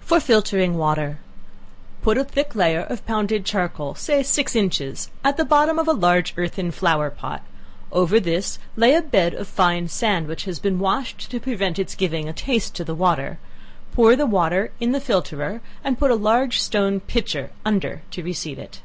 For Filtering Water. Put a thick layer of pounded charcoal, (say six inches,) at the bottom of a large earthen flower pot; over this, lay a bed of fine sand, which has been washed, (to prevent its giving a taste to the water;) pour the water in the filterer and put a large stone pitcher under to receive it.